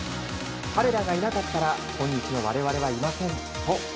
彼らがいなかったら今日の我々はいません。